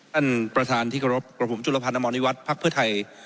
นับประหลาดที่ครบรบหุมจุลภัณฑ์อมรณวิวัฒน์พรรคพืชไทย